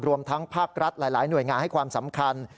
รวมทั้งภาครัฐหลายหน่วยงานให้ความสำคัญ